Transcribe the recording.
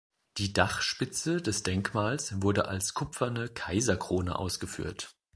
Die Dachspitze des Denkmals wurde als kupferne Kaiserkrone ausgeführt.